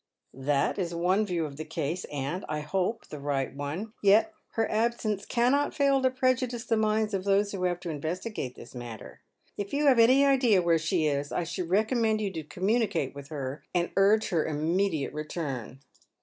" That is one view of the case — and I hope the right one. Yet her absence cannot fail to prejudice the minds of those who have to investigate this matter. If you have any idea where she ie, I should recommend you to communicate with her, and urge her immediate return."